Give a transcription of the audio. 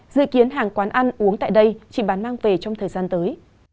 dự kiến hàng quán ăn uống tại đây chỉ bán mang về trong thời gian tới